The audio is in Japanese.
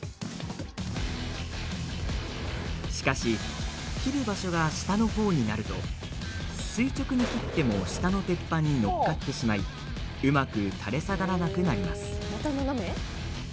しかし切る場所が下の方になると垂直に切っても下の鉄板に乗っかってしまいうまく垂れ下がらなくなります。